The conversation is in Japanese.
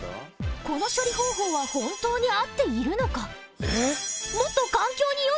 この処理方法は本当に合っているのか？